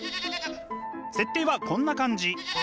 設定はこんな感じ。